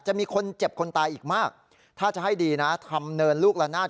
จะมีคนเจ็บคนตายอีกมากถ้าจะให้ดีนะทำเนินลูกละนาด